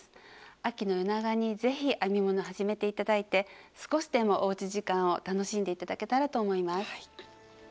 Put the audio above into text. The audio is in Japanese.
秋の夜長に是非編み物始めていただいて少しでもおうち時間を楽しんでいただけたらと思います。